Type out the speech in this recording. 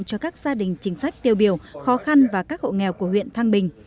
cho các gia đình chính sách tiêu biểu khó khăn và các hộ nghèo của huyện thăng bình